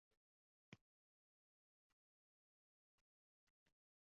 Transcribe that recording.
va rivojlantirishga qaratilgan yagona tashqi iqtisodiy siyosatini olib boradi